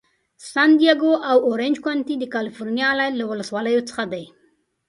سن دیاګو او اورینج کونټي د کالفرنیا ایالت له ولسوالیو څخه دي.